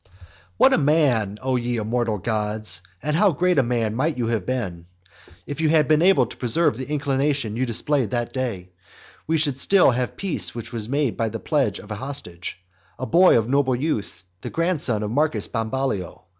XXXVI. What a man, O ye immortal gods! and how great a man might you have been, if you had been able to preserve the inclination you displayed that day; we should still have peace which was made then by the pledge of a hostage, a boy of noble birth, the grandson of Marcus Bambalio.